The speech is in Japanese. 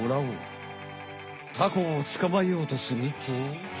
タコをつかまえようとすると。